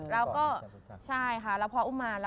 แล้วก็ใช่ค่ะแล้วพออุ้มมาแล้ว